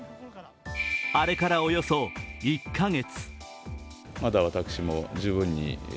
あれからおよそ１カ月。